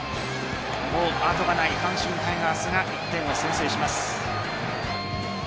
もう後がない阪神タイガースが１点を先制します。